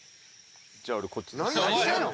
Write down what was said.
じゃあ俺こっち・何してんの？